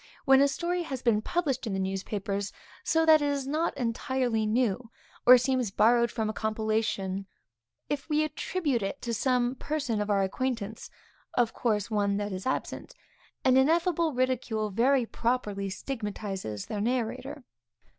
When a story has been published in the newspapers, so that it is not entirely new, or seems borrowed from a compilation of anas, if we attribute it to some person of our acquaintance, (of course one that is absent,) an ineffable ridicule very properly stigmatizes the narrator.